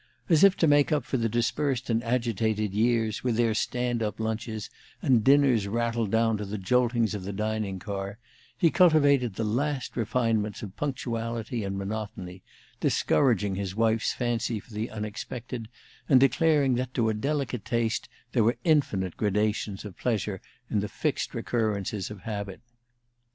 As if to make up for the dispersed and agitated years, with their "stand up" lunches and dinners rattled down to the joltings of the dining car, he cultivated the last refinements of punctuality and monotony, discouraging his wife's fancy for the unexpected; and declaring that to a delicate taste there were infinite gradations of pleasure in the fixed recurrences of habit.